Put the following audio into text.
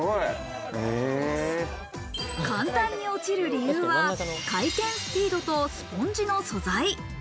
簡単に落ちる理由は、回転スピードとスポンジの素材。